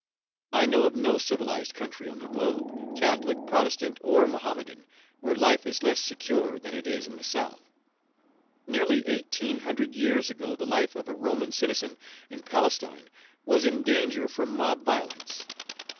I know of no civilized country on the globe, Catholic, Protestant, or Mohammedan, where life is less secure than it is in the South. Nearly eighteen hundred years ago the life of a Roman citizen in Palestine was in danger from mob violence.